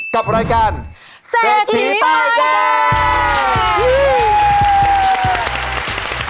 กับรายการเศรษฐีป้ายแดง